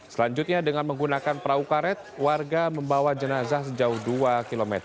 selanjutnya dengan menggunakan perahu karet warga membawa jenazah sejauh dua km